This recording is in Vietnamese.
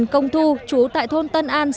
trần công thu trú tại thôn quảng nam đã bị bắt